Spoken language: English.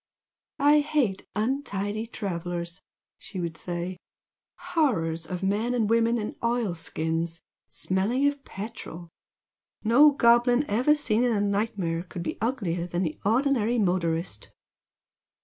"I hate untidy travellers!" she would say "Horrors of men and women in oil skins, smelling of petrol! No goblin ever seen in a nightmare could be uglier than the ordinary motorist!"